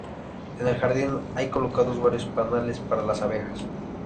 En el jardín, hay colocados varios panales para las abejas.